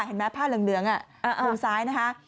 เห็นไหมภาพเหลืองอ่ะภูมิซ้ายนะคะ